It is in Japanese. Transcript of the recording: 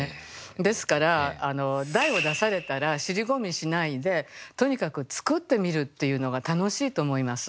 ですから題を出されたら尻込みしないでとにかく作ってみるっていうのが楽しいと思います。